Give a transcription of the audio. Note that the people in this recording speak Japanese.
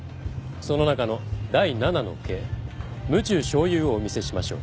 その中の第七の計無中生有をお見せしましょう。